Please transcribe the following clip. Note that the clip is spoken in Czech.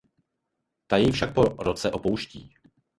Ta jej však po roce opouští.